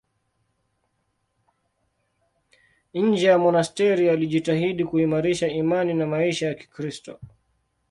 Nje ya monasteri alijitahidi kuimarisha imani na maisha ya Kikristo.